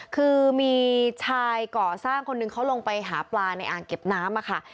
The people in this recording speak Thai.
คือมีชายก่อสร้างคนหนึ่งเขาลงไปหาปลาในอ่างเก็บน้ำค่ะ